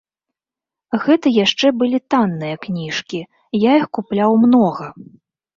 Гэта яшчэ былі танныя кніжкі, я іх купляў многа.